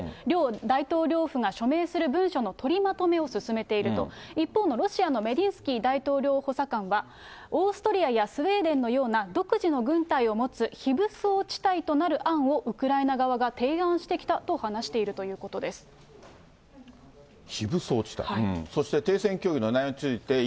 両大統領府が署名する文書の取りまとめを進めていると、一方のロシアのメディンスキー大統領補佐官は、オーストリアやスウェーデンのような、独自の軍隊を持つ非武装地帯となる案をウクライナ側が提案してき非武装地帯。